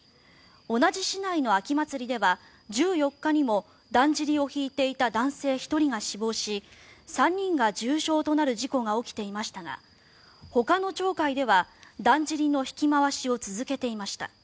同じ市内の秋祭りでは１４日にもだんじりを引いていた男性１人が死亡し３人が重傷となる事故が起きていましたがほかの町会ではだんじりの引き回しを続けていました。